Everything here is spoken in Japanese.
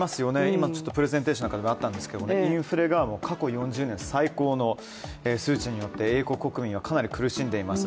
今プレゼンテーションの中でもあったんですがインフレが過去４０年最高の数値になって、英国国民はかなり苦しんでいます。